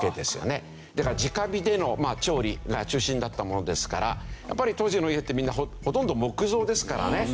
だから直火での調理が中心だったものですからやっぱり当時の家ってみんなほとんど木造ですからね。